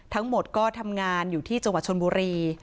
ทั้งหมดก็ทำงานอยู่ที่จังหวัดชนบุรี